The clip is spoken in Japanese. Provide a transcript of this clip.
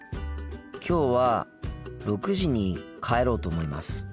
きょうは６時に帰ろうと思います。